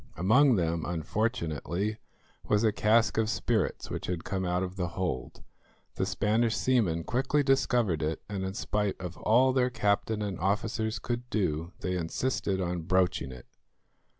Among them, unfortunately, was a cask of spirits which had come out of the hold. The Spanish seamen quickly discovered it, and in spite of all their captain and officers could do, they insisted on broaching it.